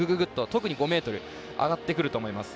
特に５ｍ上がってくると思います。